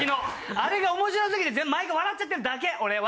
あれが面白すぎて毎回笑っちゃってるだけ俺は！